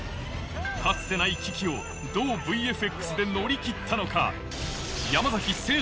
かつてない危機をどうＶＦＸで乗り切ったのか？